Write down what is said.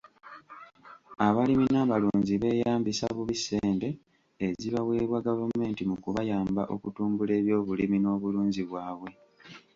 Abalimi n'abalunzi beeyambisa bubi ssente ezibaweebwa gavumenti mu kubayamba okutumbula ebyobulimi n'obulunzi bwabwe,